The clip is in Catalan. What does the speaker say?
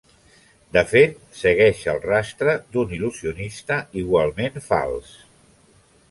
De fet, segueix el rastre d'un il·lusionista igualment fals.